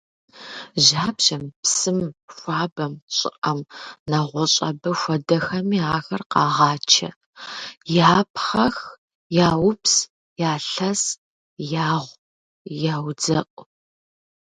Жьапщэм, псым, хуабэм, щIыIэм, нэгъуэщI абы хуэдэхэми ахэр къагъачэ, япхъэх, яупс, ялъэс, ягъу, яудзэIу.